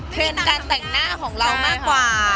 เทรนด์การแต่งหน้าของเรามากกว่า